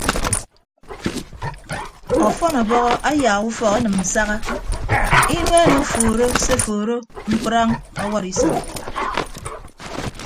Ọfọn ọbọhọ ayaak ufọk enịm nsaha inuen ofuuro se ofuuro mkprañ ọwọd isọñ.